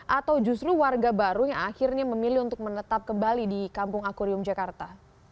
atau justru warga baru yang akhirnya memilih untuk menetap kembali di kampung akwarium jakarta